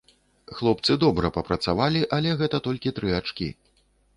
Хлопцы добра папрацавалі, але гэта толькі тры ачкі.